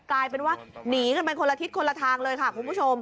กลายเป็นว่าหนีกันไปคนละทิศคนละทางเลยค่ะคุณผู้ชม